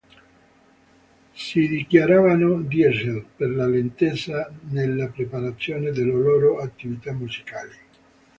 Si dichiaravano "Diesel" per la lentezza nella preparazione delle loro attività musicali.